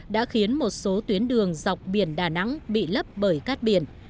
đã khiến một số tuyến đường dọc biển đà nẵng bị lấp bởi cát biển